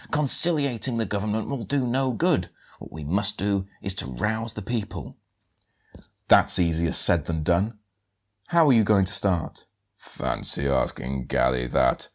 Conciliating the government will do no good. What we must do is to rouse the people." "That's easier said than done; how are you going to start?" "Fancy asking Galli that!